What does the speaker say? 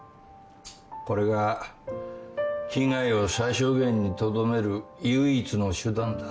これが被害を最小限にとどめる唯一の手段だ。